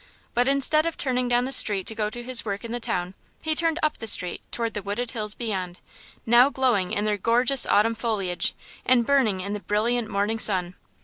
But instead of turning down the street to go to his work in the town he turned up the street toward the wooded hills beyond, now glowing in their gorgeous autumn foliage and burning in the brilliant morning sun.